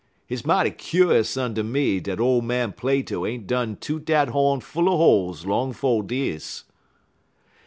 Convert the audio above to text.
Hit's mighty kuse unter me dat ole man Plato ain't done toot dat hawn full er holes long 'fo' dis.